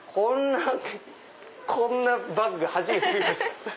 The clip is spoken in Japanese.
こんなバッグ初めて見ました。